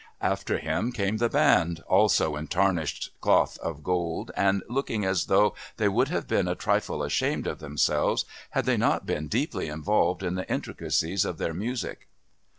After him came the band, also in tarnished cloth of gold and looking as though they would have been a trifle ashamed of themselves had they not been deeply involved in the intricacies of their music.